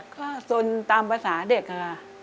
ก็สนตามภาษาเด็กค่ะ